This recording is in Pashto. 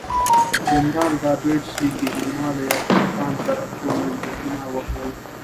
جنرال رابرټس لیکي چې ما له یعقوب خان سره څو مجلسونه وکړل.